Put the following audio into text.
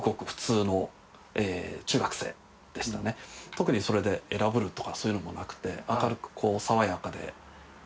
特にそれで偉ぶるとかそういうのもなくて。